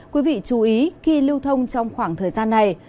quý vị chú ý khi lưu thông trong khoảng thời gian này